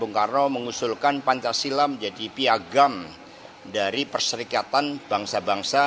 bung karno mengusulkan pancasila menjadi piagam dari perserikatan bangsa bangsa